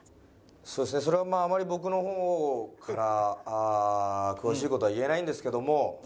そうですねそれはまああまり僕の方から詳しい事は言えないんですけども。